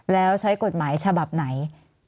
แล้วใช้กฎหมายฉบับไหน